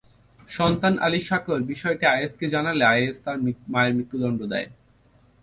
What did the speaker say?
সন্তান আলি সাকর বিষয়টি আইএসকে জানালে আইআস তাঁর মায়ের মৃত্যুদণ্ড দেয়।